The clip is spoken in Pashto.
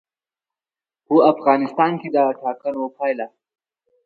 په افغانستان کې د ټاکنو پایله.